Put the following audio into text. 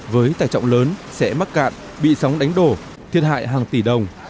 với tải trọng lớn sẽ mắc cạn bị sóng đánh đổ thiệt hại hàng tỷ đồng